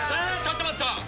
ちょっと待った！